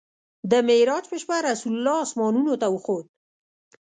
د معراج په شپه رسول الله اسمانونو ته وخوت.